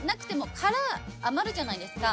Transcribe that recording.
殻余るじゃないですか。